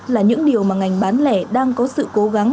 là những điều mà ngành bán lẻ đang có sự cố gắng